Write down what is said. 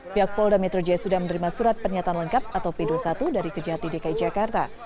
pihak polda metro jaya sudah menerima surat pernyataan lengkap atau p dua puluh satu dari kejati dki jakarta